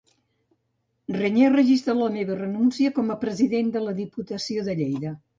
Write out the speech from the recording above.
Reñé registra la meva renúncia com a president de la Diputació de Lleida.